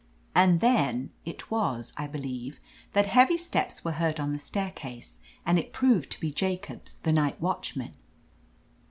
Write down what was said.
And then it was, I believe, that heavy steps were heard on the staircase, and it proved to be Jacobs, the night watchman.